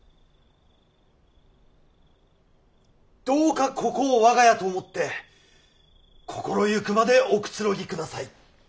どうかここを我が家と思って心行くまでおくつろぎください。